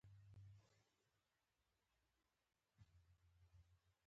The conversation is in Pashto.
د مریانو تجارت د سیاسي پروسو د رامنځته کېدو سبب شو.